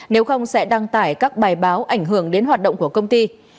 nếu không sẽ đăng tải các bài báo ảnh hưởng đến hoạt động của công ty